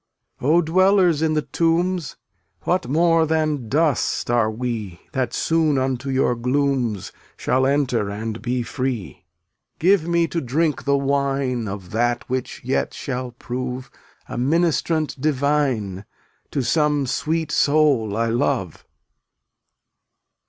292 Oh, dwellers in the tombs, What more than dust are we That soon unto your glooms Shall enter and be free? Give me to drink the wine Of that which yet shall prove A ministrant divine To some sweet soul I love!